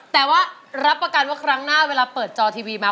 แต่ว่ารับประกันตอนมาเวลาเปิดจอทีวีมา